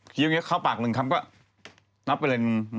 เขี้ยวให้เข้าปากหนึ่งครั้งก็นับไปเลย